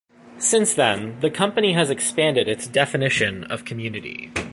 Since then, the company has expanded its definition of "community".